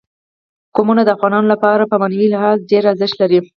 قومونه د افغانانو لپاره په معنوي لحاظ ډېر زیات ارزښت لري.